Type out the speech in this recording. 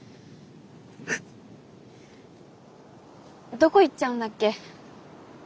どこ行っちゃうんだっけ？